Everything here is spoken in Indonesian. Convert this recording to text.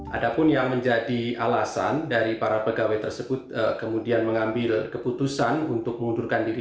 ada pun yang menjadi alasan dari para pegawai tersebut kemudian mengambil keputusan untuk mengundurkan diri